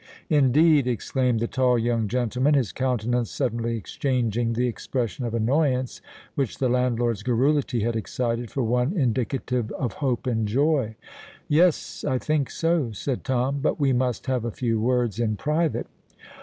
"Indeed!" exclaimed the tall young gentleman, his countenance suddenly exchanging the expression of annoyance which the landlord's garrulity had excited, for one indicative of hope and joy. "Yes—I think so," said Tom. "But we must have a few words in private."